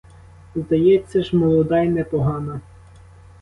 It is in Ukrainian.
Здається ж, молода й непогана.